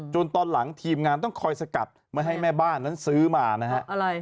ตอนหลังทีมงานต้องคอยสกัดไม่ให้แม่บ้านนั้นซื้อมานะฮะ